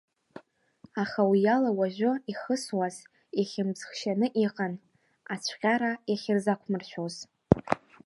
Аха уиала уажәы ихысуаз ихьымӡӷшьаны иҟан, ацәҟьара иахьырзақәмыршәоз.